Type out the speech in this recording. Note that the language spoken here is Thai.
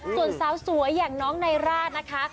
ส่วนสาวสวยอย่างน้องไนร่านะคะ